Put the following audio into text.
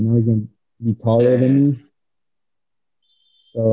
dia akan lebih besar dari aku